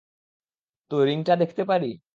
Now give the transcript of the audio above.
তো, রিংটা দেখতে পারি?